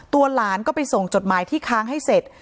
หลานก็ไปส่งจดหมายที่ค้างให้เสร็จ